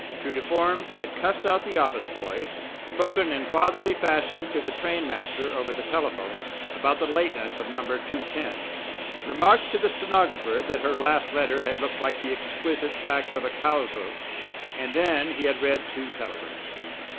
True to form, he had cussed out the office boy, spoken in fatherly fashion to the trainmaster over the telephone about the lateness of No. 210, remarked to the stenographer that her last letter had looked like the exquisite tracks of a cow's hoof and then he had read two telegrams.